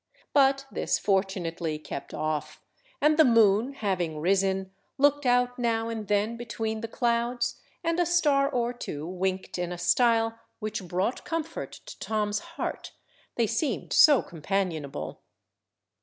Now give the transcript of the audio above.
But this fortunately kept off, and the moon, having risen, looked out now and then between the clouds, and a star or two winked in a style which brought comfort to Tom's heart—they seemed so companionable.